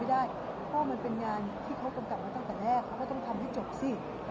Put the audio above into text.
ได้เพราะมันเป็นงานที่เขากำกับมาตั้งแต่แรกเขาก็ต้องทำให้จบสิ